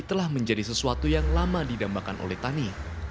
telah menjadi sesuatu yang lama didambakan oleh tani